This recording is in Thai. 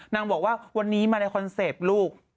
นางบอกว่าวันนี้อะไรแรโคนเซปลูก